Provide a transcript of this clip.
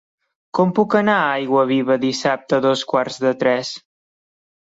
Com puc anar a Aiguaviva dissabte a dos quarts de tres?